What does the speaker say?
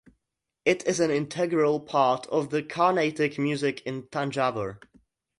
It is an integral part of the Carnatic music in Thanjavur.